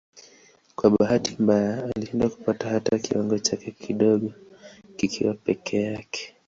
Kwa bahati mbaya alishindwa kupata hata kiwango chake kidogo kikiwa peke yake.